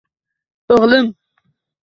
«O’g’lim!»